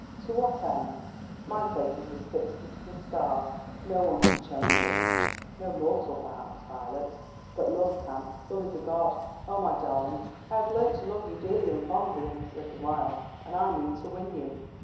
"To what end? My fate is as fixed as the stars. No one can change it." "No mortal perhaps, Violet. But Love can. Love is a god. Oh, my darling, I have learnt to love you dearly and fondly in this little while, and I mean to win you.